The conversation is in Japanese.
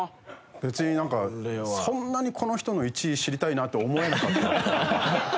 別になんかそんなにこの人の１位知りたいなって思えなかった。